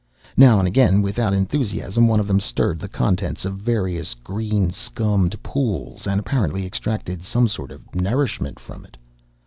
Now and again, without enthusiasm, one of them stirred the contents of various green scummed pools and apparently extracted some sort of nourishment from it.